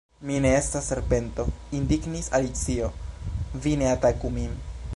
"Mi ne estas serpento," indignis Alicio, "vi ne ataku min!"